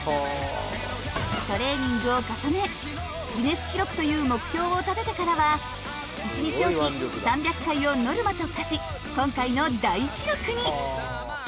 トレーニングを重ねギネス記録という目標を立ててからは１日おき３００回をノルマと課し今回の大記録に。